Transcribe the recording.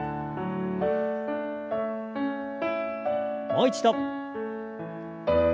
もう一度。